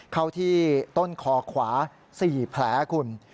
เข้าที่ต้นคอขวา๔แผลคุณ